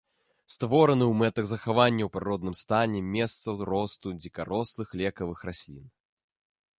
Створаны ў мэтах захавання ў прыродным стане месцаў росту дзікарослых лекавых раслін.